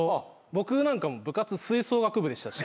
僕なんか部活吹奏楽部でしたし。